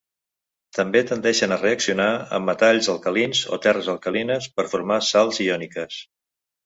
També tendeixen a reaccionar amb metalls alcalins o terres alcalines per formar sals iòniques.